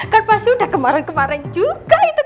kan pasti udah kemarin kemarin juga itu